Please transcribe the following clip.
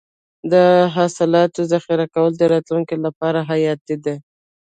د حاصلاتو ذخیره کول د راتلونکي لپاره حیاتي دي.